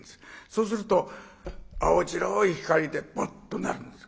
そうすると青白い光でボッとなるんです。